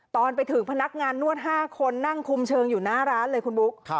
ตอนไปถึงพนักงานนวด๕คนนั่งคุมเชิงอยู่หน้าร้านเลยคุณบุ๊ค